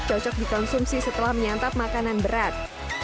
cocok dikonsumsi setelah menyantap makanan berat